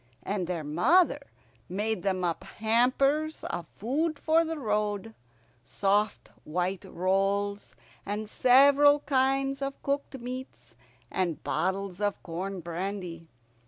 And their mother made them up hampers of food for the road, soft white rolls, and several kinds of cooked meats, and bottles of corn brandy.